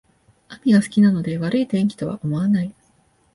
雨が好きなので悪い天気とは思わない